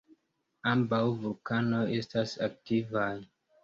Ambaŭ vulkanoj estas aktivaj.